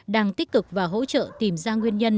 đang tích cực và hỗ trợ tìm ra nguyên nhân